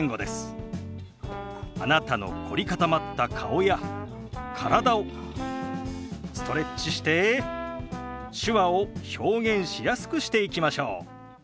あなたの凝り固まった顔や体をストレッチして手話を表現しやすくしていきましょう。